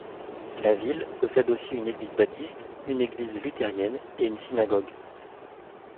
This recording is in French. La ville possède aussi une église baptiste, une église luthérienne et une synagogue.